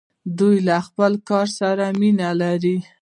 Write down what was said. دوی له خپل کار سره مینه لري.